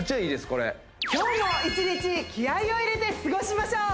これ今日も一日気合いを入れて過ごしましょう！